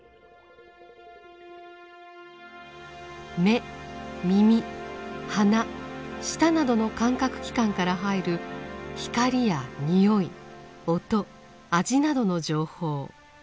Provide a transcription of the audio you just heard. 眼耳鼻舌などの感覚器官から入る光や匂い音味などの情報。